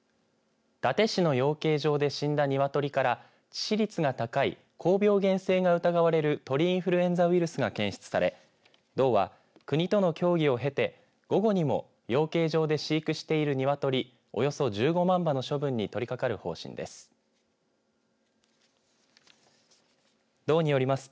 伊達市の養鶏場で死んだ鶏から致死率が高い高病原性が疑われる鳥インフルエンザウイルスが検出され道は国との協議をへて午後にも養鶏場で飼育している鶏、およそ１５万羽の処分に取り掛かる方針です。